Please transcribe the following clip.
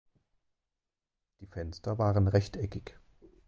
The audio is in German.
Die Fenster waren rechteckig.